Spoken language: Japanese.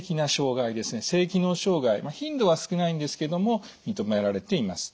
性機能障害頻度は少ないんですけども認められています。